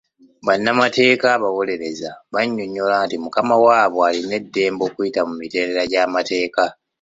Bannamateeka abawoloreza bannyonnyola nti mukama waabwe alina eddembe okuyita mu mitendera gy'amateeka.